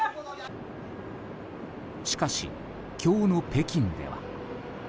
しかし、今日の北京では。